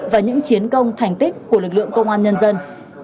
và những chiến công thành tích của lực lượng công an nhân dân